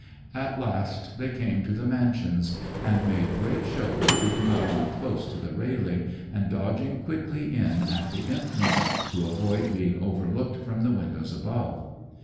At last they came to the "mansions," and made great show of creeping along close to the railing, and dodging quickly in at the entrance to avoid being overlooked from the windows above.